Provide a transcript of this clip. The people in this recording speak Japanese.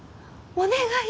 お願い。